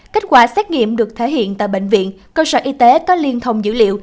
kết quả xét nghiệm được thể hiện tại bệnh viện cơ sở y tế có liên thông dữ liệu